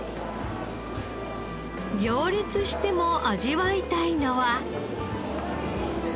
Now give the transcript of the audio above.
行列しても味わいたいのは。